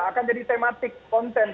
akan jadi tematik konten